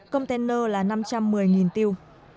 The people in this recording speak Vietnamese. container là năm trăm một mươi tiêu